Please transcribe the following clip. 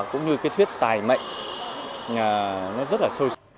cũng như cái thuyết tài mệnh nó rất là sôi